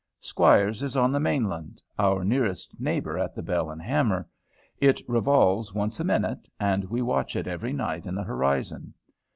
Squire's is on the mainland, our nearest neighbor at the Bell and Hammer, it revolves once a minute, and we watch it every night in the horizon.